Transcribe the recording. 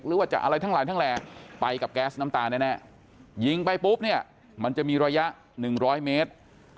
หรือทั้งหลายไปกับแก๊สน้ำตาแน่ยิงไปปุ๊บมันจะมีระยะ๑๐๐เมตร